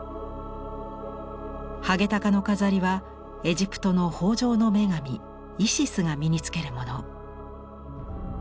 ハゲタカの飾りはエジプトの豊じょうの女神イシスが身に着けるもの。